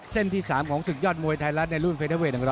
เส้นที่สามของศึกยอดมวยไทยรัฐในรุ่นเฟสเตอร์เวท๑๒๖ปอนด์